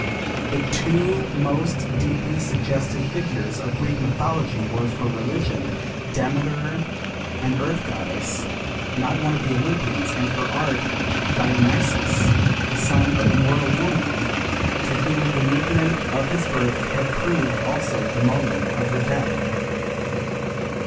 The two most deeply suggestive figures of Greek Mythology were, for religion, Demeter, an Earth Goddess, not one of the Olympians, and for art, Dionysus, the son of a mortal woman to whom the moment of his birth had proved also the moment of her death.